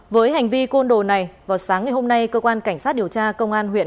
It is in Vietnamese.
với hành vi côn đồ này vào sáng ngày hôm nay cơ quan cảnh sát điều tra công an huyện